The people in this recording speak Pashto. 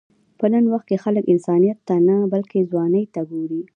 په نن وخت کې خلک انسانیت ته نه، بلکې ځوانۍ ته ګوري.